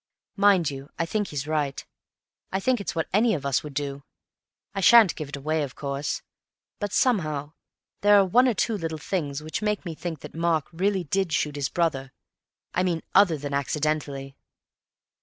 "Mind you, I think he's right. I think it's what any of us would do. I shan't give it away, of course, but somehow there are one or two little things which make me think that Mark really did shoot his brother—I mean other than accidentally."